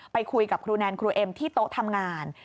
ไปคุยกับครูแนนครูเอ็มที่โต๊ะทำงาน